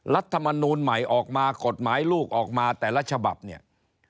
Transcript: รัฐมนูลใหม่ออกมากฎหมายลูกออกมาแต่ละฉบับเนี่ย